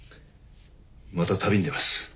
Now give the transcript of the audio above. また旅に出ます。